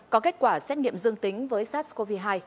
có kết quả xét nghiệm dương tính với sars cov hai